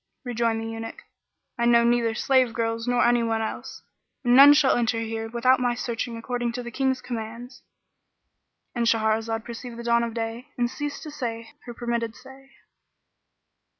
Rejoined the Eunuch, "I know neither slave girls nor anyone else; and none shall enter here without my searching according to the King's commands."—And Shahrazad perceived the dawn of day and ceased to say her permitted say.